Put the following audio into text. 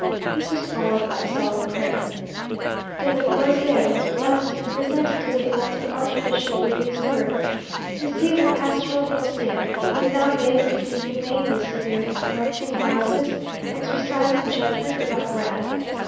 This was followed by a solemn prayer. Then the crosier was blessed, and presented to the elected archbishop with these words. "Receive the pastoral crosier, that thou mayest be humanely severe in correcting vices, exercising judgment without wrath," etc.